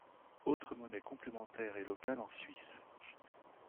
Autres monnaies complémentaires et locales en Suisse.